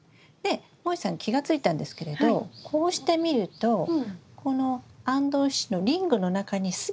もえさん気が付いたんですけれどこうして見るとこのあんどん支柱のリングの中に全ての枝が入ってますよね。